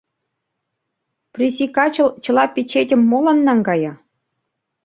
Присикачыл чыла печетым молан наҥгая?